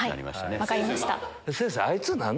はい分かりました。